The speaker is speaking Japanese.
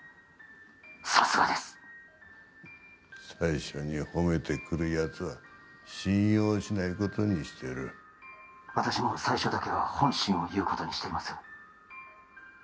さすがです最初に褒めてくるやつは信用しないことにしてる私も最初だけは本心を言うことにしています